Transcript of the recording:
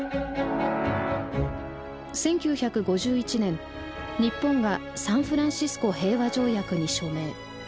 １９５１年日本がサンフランシスコ平和条約に署名。